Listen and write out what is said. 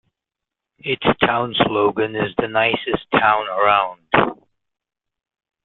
Its town slogan is The Nicest Town Around.